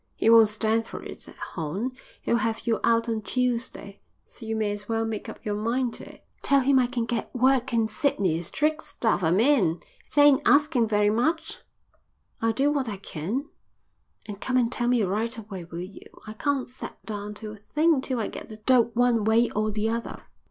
"He won't stand for it," said Horn. "He'll have you out on Tuesday, so you may as well make up your mind to it." "Tell him I can get work in Sydney, straight stuff, I mean. 'Tain't asking very much." "I'll do what I can." "And come and tell me right away, will you? I can't set down to a thing till I get the dope one way or the other."